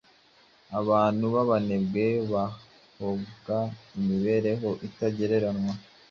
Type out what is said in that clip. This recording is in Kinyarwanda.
Abantu b’abanebwe bahomba imibereho itagereranywa